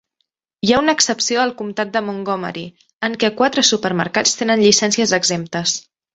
Hi ha una excepció al Comtat de Montgomery, en què quatre supermercats tenen llicències exemptes.